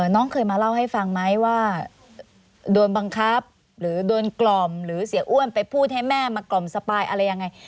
น้องเคยมาเล่าให้ฟังไหมว่าโดนบังคับหรือโดนกล่อมหรือเสียอ้วนไปพูดให้แม่มากล่อมสปายอะไรยังไง